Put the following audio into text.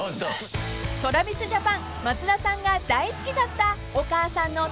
［ＴｒａｖｉｓＪａｐａｎ松田さんが大好きだったお母さんの手作り弁当］